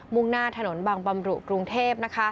่งหน้าถนนบางบำรุกรุงเทพ